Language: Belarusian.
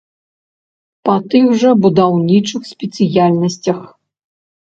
Па тых жа будаўнічых спецыяльнасцях.